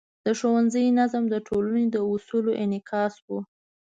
د ښوونځي نظم د ټولنې د اصولو انعکاس و.